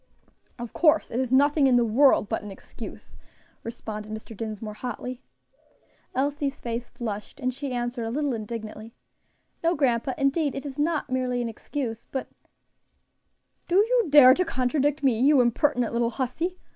"Of course it is; nothing in the world but an excuse," responded Mr. Dinsmore, hotly. Elsie's face flushed, and she answered a little indignantly, "No, grandpa, indeed it is not merely an excuse, but " "Do you dare to contradict me, you impertinent little hussy?"